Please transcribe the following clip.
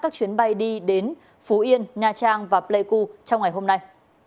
các chuyến bay đi đến phú yên nha trang và pleiku trong ngày hôm nay